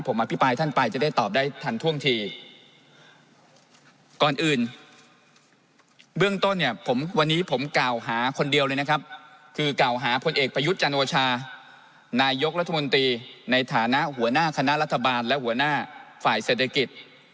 ในฐานะหัวหน้าคณะรัฐบาลและหัวหน้าศนศาสนศักดิกิจ